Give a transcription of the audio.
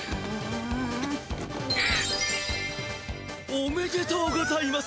おめでとうございます！